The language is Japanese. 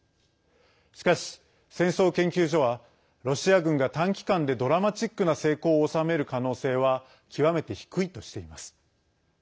しかし、戦争研究所はロシア軍が短期間でドラマチックな成功を収める可能性は極めて低いとしています。